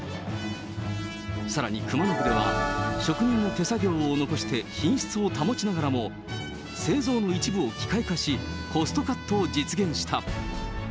さらに熊野筆は職人の手作業を残して品質を保ちながらも、製造の一部を機械化し、コストカットを実現した。